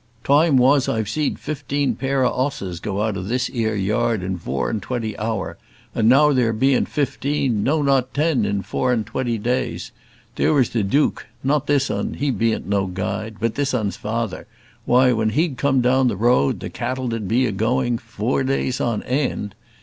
"Time was I've zeed vifteen pair o' 'osses go out of this 'ere yard in vour and twenty hour; and now there be'ant vifteen, no, not ten, in vour and twenty days! There was the duik not this 'un; he be'ant no gude; but this 'un's vather why, when he'd come down the road, the cattle did be a going, vour days an eend.